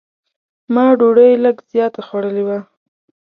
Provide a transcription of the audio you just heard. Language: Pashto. ما ډوډۍ لږ زیاته خوړلې وه.